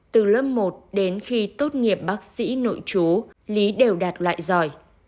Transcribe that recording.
từ lớp một đến khi tốt nghiệp bác sĩ nội chú lý đều đạt loại giỏi